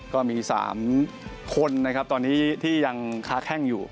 ก็มี๓คนนะครับตอนนี้ที่ยังค้าแข้งอยู่